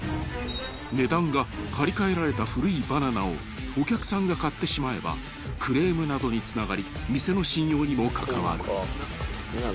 ［値段が貼り替えられた古いバナナをお客さんが買ってしまえばクレームなどにつながり店の信用にも関わる］